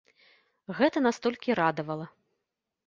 Гэта нас толькі радавала.